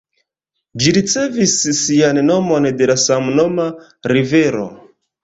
Ĝi ricevis sian nomon de la samnoma rivero.